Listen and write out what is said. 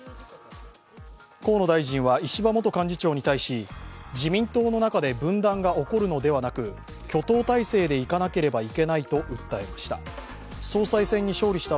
河野大臣は石破元幹事長に対し自民党の中で分断が起こるのではなく挙党体制でいかなければいけないと訴えました。